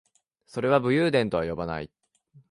それは武勇伝とは呼ばない